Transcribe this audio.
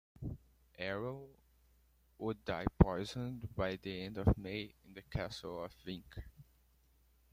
Aron would die poisoned by the end of May in the castle of Vinc.